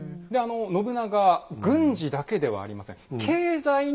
信長軍事だけではありません。